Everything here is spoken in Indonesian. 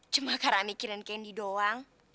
cuma karena mikirin kendi doang